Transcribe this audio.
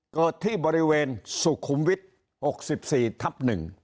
เกิดที่บริเวณสุขุมวิทย์๖๔ทับ๑